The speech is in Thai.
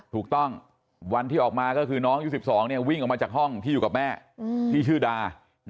วันที่ออกมาก็คือน้องยุค๑๒วิ่งออกมาจากห้องที่อยู่กับแม่ที่ชื่อดา